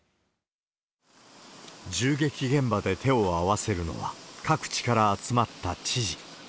銃撃現場で手を合わせるのは、各地から集まった知事。